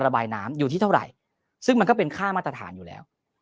ระบายน้ำอยู่ที่เท่าไหร่ซึ่งมันก็เป็นค่ามาตรฐานอยู่แล้ว